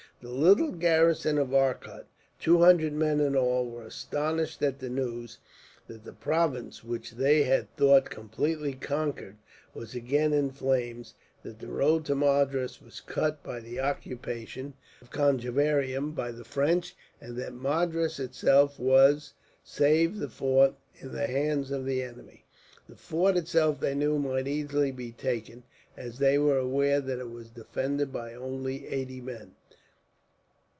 The little garrison of Arcot, two hundred men in all, were astonished at the news; that the province, which they had thought completely conquered, was again in flames; that the road to Madras was cut, by the occupation of Conjeveram by the French; and that Madras itself was, save the fort, in the hands of the enemy. The fort itself, they knew, might easily be taken, as they were aware that it was defended by only eighty men.